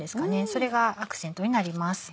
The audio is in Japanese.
それがアクセントになります。